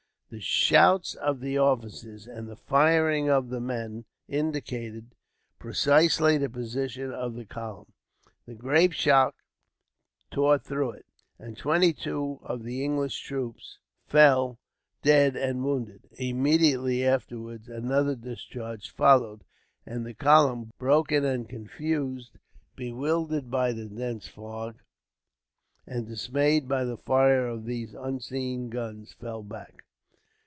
The shouts of the officers, and the firing of the men, indicated precisely the position of the column. The grapeshot tore through it, and twenty two of the English troops fell dead and wounded. Immediately afterwards another discharge followed, and the column, broken and confused, bewildered by the dense fog, and dismayed by the fire of these unseen guns, fell back.